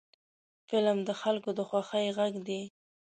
فلم د خلکو د خوښۍ غږ دی